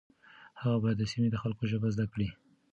هغه باید د سیمې د خلکو ژبه زده کړي.